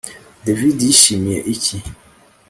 David yishimiye iki